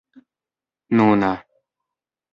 nuna